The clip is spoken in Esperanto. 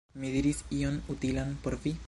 Mi diris ion utilan por vi!